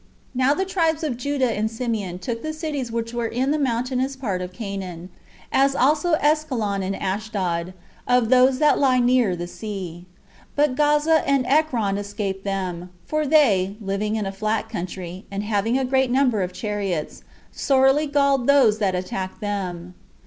4. Now the tribes of Judah and Simeon took the cities which were in the mountainous part of Canaan, as also Askelon and Ashdod, of those that lay near the sea; but Gaza and Ekron escaped them, for they, lying in a flat country, and having a great number of chariots, sorely galled those that attacked them.